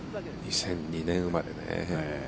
２００２年生まれね。